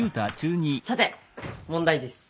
さて問題です！